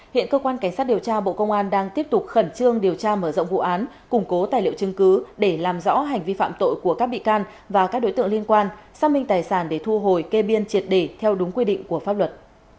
hiện cơ quan cảnh sát điều tra bộ công an đang tiếp tục khẩn trương điều tra mở rộng vụ án củng cố tài liệu chứng cứ để làm rõ hành vi phạm tội của các bị can và các đối tượng liên quan xác minh tài sản để thu hồi kê biên triệt để theo đúng quy định của pháp luật